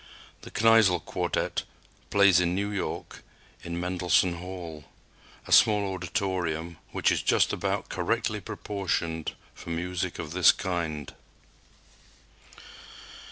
The Kneisel Quartet plays in New York in Mendelssohn Hall, a small auditorium which is just about correctly proportioned for music of this kind.